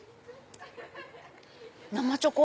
生チョコ。